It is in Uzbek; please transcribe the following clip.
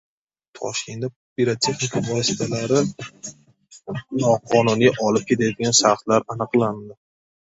Toshkentda pirotexnika vositalarini noqonuniy olib ketayotgan shaxslar aniqlandi